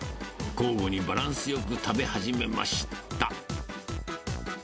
交互にバランスよく食べ始めました。